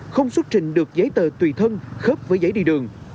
không xuất trình được giấy tờ tùy thân khớp với giấy đi đường